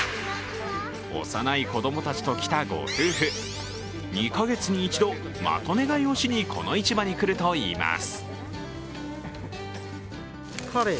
幼い子供たちと来たご夫婦２か月に一度、まとめ買いをしにこの市場に来るといいます。